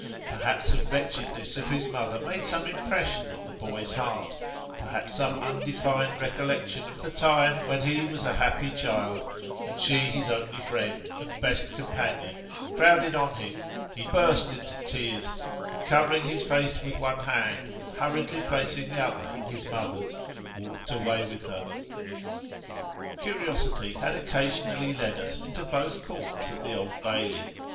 Perhaps the wretchedness of his mother made some impression on the boy's heart ; perhaps some undefined recollection of the time when he was a happy child, and she his only friend, and best companion, crowded on him he burst into tears ; and covering his face with one hand, and hurriedly placing the other in his mother's, walked away with her. L 146 Sketches by Boz. Curiosity has occasionally led us into both Courts at the Old Bailey.